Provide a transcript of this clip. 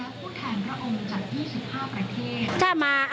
ผู้แทนพระองค์จาก๒๕ประเทศ